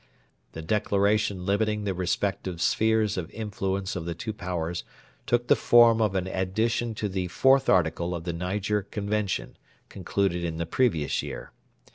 The Declaration limiting the respective spheres of influence of the two Powers took the form of an addition to the IVth Article of the Niger Convention, concluded in the previous year.